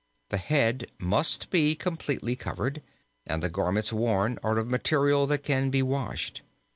The head must be completely covered, and the garments worn are of material that can be washed.